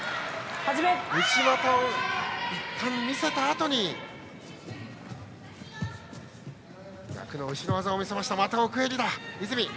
内股をいったん見せたあとに逆の後ろ技を見せました。